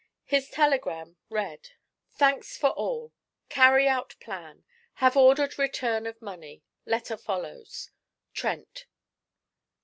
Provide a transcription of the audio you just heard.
His telegram read: 'Thanks for all. Carry out plan. Have ordered return of money. Letter follows. 'TRENT.'